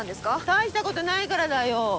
大したことないからだよ。